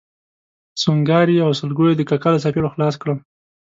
سونګاري او سلګیو د کاکا له څپېړو خلاص کړم.